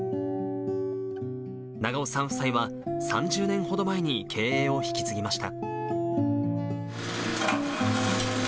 長尾さん夫妻は、３０年ほど前に経営を引き継ぎました。